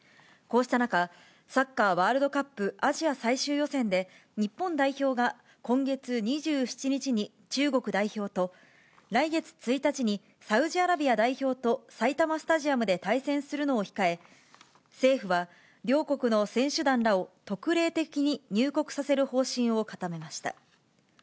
こうした中、サッカーワールドカップアジア最終予選で、日本代表が今月２７日に中国代表と、来月１日にサウジアラビア代表と埼玉スタジアムで対戦するのを控え、政府は、両国の選手団らを特例的に入国させる方針を固めました。